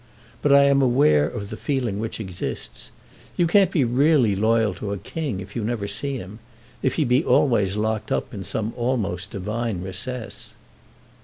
But I am aware of the feeling which exists. You can't be really loyal to a king if you never see him, if he be always locked up in some almost divine recess."